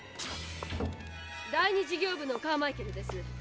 第２事業部のカーマイケルです。